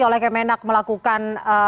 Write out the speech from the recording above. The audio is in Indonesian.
oleh kemenak melakukan